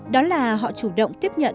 đó là họ chủ động tiếp nhận